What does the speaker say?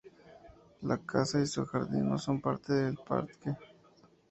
La casa y su jardín no son parte del parque.